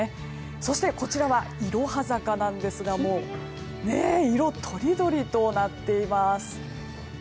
そしてこちらはいろは坂なんですが色とりどりとなっています。